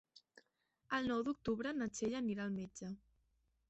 El nou d'octubre na Txell anirà al metge.